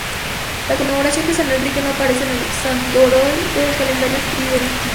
La conmemoración de San Enrique no aparece en el santoral del calendario tridentino.